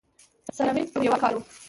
سره مېشت پر یو کاله و